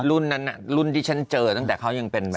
รุ่นนั้นรุ่นที่ฉันเจอตั้งแต่เขายังเป็นแบบ